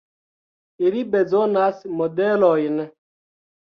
Ili bezonas modelojn.